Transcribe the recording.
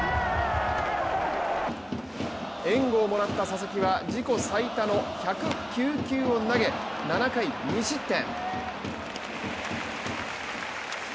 援護をもらった佐々木は自己最多の１０９球を投げ７回２失点。